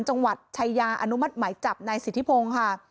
จังหวัดชายาอนุมัติหมายจับนายสิทธิพงศ์ค่ะ